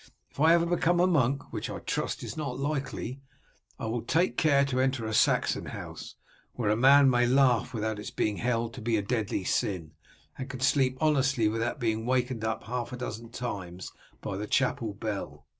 If I ever become a monk, which I trust is not likely, I will take care to enter a Saxon house, where a man may laugh without its being held to be a deadly sin, and can sleep honestly without being wakened up half a dozen times by the chapel bell."